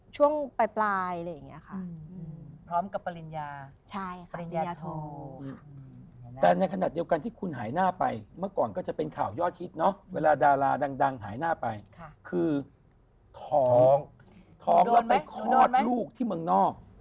ถองแล้วไปคลอดลูกที่เมืองนอก